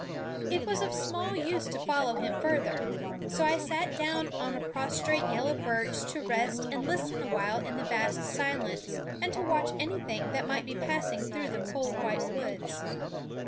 It was of small use to follow him further, so I sat down on a prostrate yellow birch to rest and listen awhile in the vast silence, and to watch anything that might be passing through the cold white woods.